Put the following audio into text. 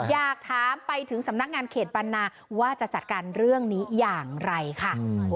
อยากถามไปถึงสำนักงานเขตปันนาว่าจะจัดการเรื่องนี้อย่างไรค่ะ